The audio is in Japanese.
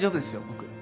僕。